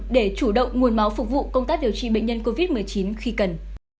để chủ động nguồn máu phục vụ công tác điều trị bệnh nhân covid một mươi chín khi cần